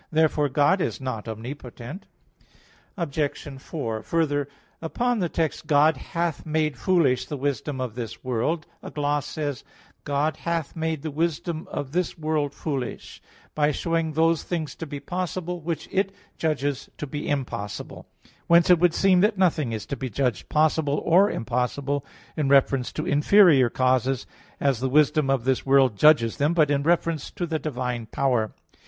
Therefore God is not omnipotent. Obj. 4: Further, upon the text, "God hath made foolish the wisdom of this world" (1 Cor. 1:20), a gloss says: "God hath made the wisdom of this world foolish [*Vulg.: 'Hath not God', etc.] by showing those things to be possible which it judges to be impossible." Whence it would seem that nothing is to be judged possible or impossible in reference to inferior causes, as the wisdom of this world judges them; but in reference to the divine power.